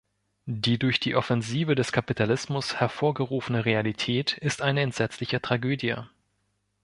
Die durch die Offensive des Kapitalismus hervorgerufene Realität ist eine entsetzliche Tragödie.